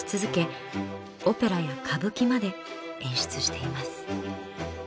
オペラや歌舞伎まで演出しています。